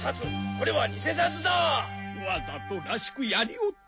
これは偽札だ！わざとらしくやりおって！